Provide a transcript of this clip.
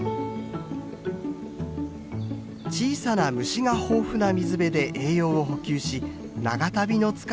小さな虫が豊富な水辺で栄養を補給し長旅の疲れを癒やします。